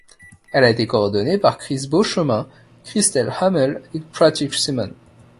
Elle a été coordonnée par Cris Beauchemin, Christelle Hamel et Patrick Simon.